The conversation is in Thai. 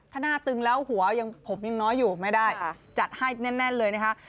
ถ้าหน้าตึงแล้วหัวยังผมยังน้อยอยู่ไม่ได้จัดให้แน่นเลยนะคะ